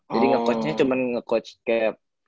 jadi ngecoachnya cuman ngecoach kayak